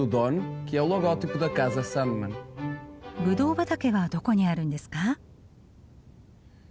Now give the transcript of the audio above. ぶどう畑はどこにあるんですか？